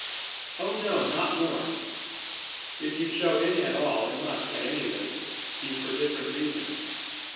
"Oh, no, not more!" "If you show any at all, it must, at any rate, be for different reasons.